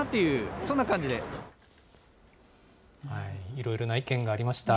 いろいろな意見がありました。